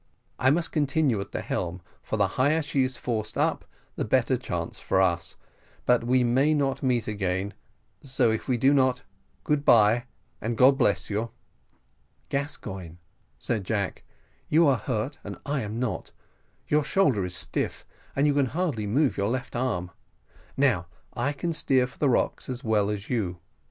I must continue at the helm, for the higher she is forced up the better chance for us; but we may not meet again, so if we do not, good bye, and God bless you." "Gascoigne," said Jack, "you are hurt and I am not; your shoulder is stiff, and you can hardly move your left arm. Now I can steer for the rocks as well as you.